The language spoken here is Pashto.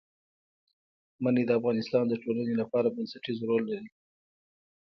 منی د افغانستان د ټولنې لپاره بنسټيز رول لري.